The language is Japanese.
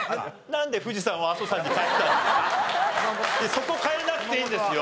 そこ変えなくていいんですよ。